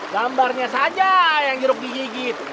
gambarnya saja yang jeruk gigit